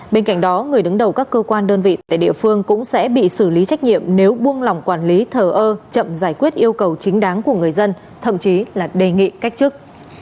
bên cạnh đó người đứng đầu các cơ quan đơn vị tại địa phương cũng sẽ bị xử lý trách nhiệm nếu buông lòng quản lý thờ ơ chậm giải quyết yêu cầu chính đáng của người dân thậm chí là đề nghị cách chức